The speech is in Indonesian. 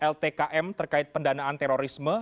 ltkm terkait pendanaan terorisme